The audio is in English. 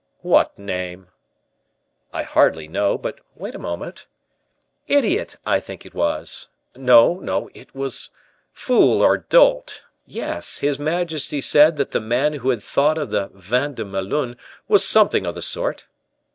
"What name?" "I hardly know; but wait a moment idiot, I think it was no, no, it was fool or dolt. Yes; his majesty said that the man who had thought of the vin de Melun was something of the sort."